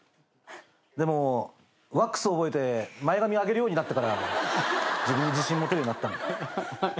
でもワックス覚えて前髪上げるようになってから自分に自信持てるようになったんだ。